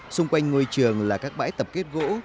xung quanh ngôi trường là các bãi tập kết gỗ